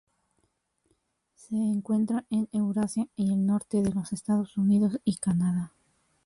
Se encuentra en Eurasia y el norte de los Estados Unidos y Canadá.